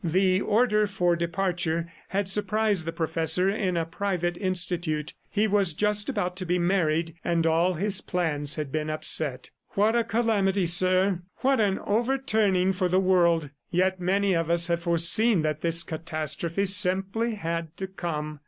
The order for departure had surprised the professor in a private institute; he was just about to be married and all his plans had been upset. "What a calamity, sir! ... What an overturning for the world! ... Yet many of us have foreseen that this catastrophe simply had to come.